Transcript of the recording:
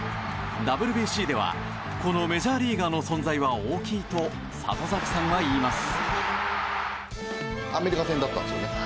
ＷＢＣではこのメジャーリーガーの存在は大きいと里崎さんは言います。